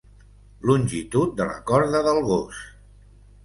Longitud de la corda del gos.